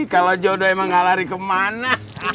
kalau jodoh emang gak lari kemana